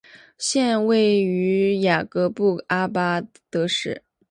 县治位于雅各布阿巴德市。